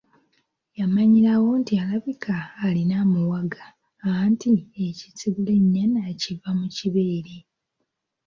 Yamanyirawo nti alabika alina amuwaga, anti ekisigula ennyana kiva mu kibeere.